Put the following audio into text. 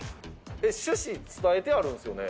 趣旨伝えてあるんですよね？